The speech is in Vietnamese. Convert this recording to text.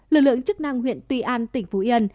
lực lượng chức năng huyện tuy an tỉnh phú yên